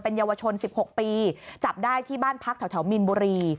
เยาวชน๑๖ปีจับได้ที่บ้านพักแถวมีนบุรี